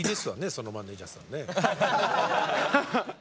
そのマネージャーさんね。